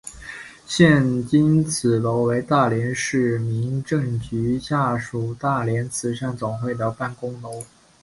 现今此楼为大连市民政局下属大连慈善总会的办公楼。